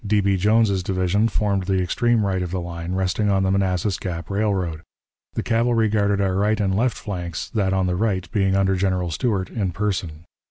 D. B. Jones's division formed the extreme right of the line, resting on the Manassas Gap Railroad. The cavalry guarded our right and left flanks, that on the right being under General Stuart in person.